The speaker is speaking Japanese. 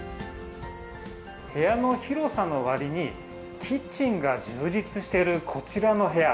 部屋の広さのわりに、キッチンが充実しているこちらの部屋。